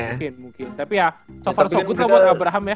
mungkin mungkin tapi ya so far so good lah buat pak abraham ya